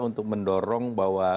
untuk mendorong bahwa